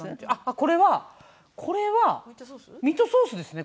これはこれはミートソースですねこれ。